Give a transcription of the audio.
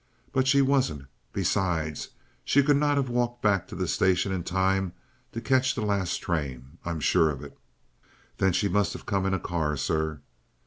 But she wasn't. Besides, she could not have walked back to the station in time to catch the last train. I'm sure of it." "Then she must have come in a car, sir."